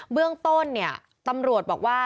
เบื้องต้นเนี่ยตำรวจบอกว่า